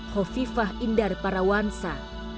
hovifah indar parawansa